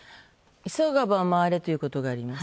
急がば回れということばがあります。